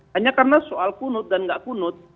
hanya karena soal kunut dan gak kunut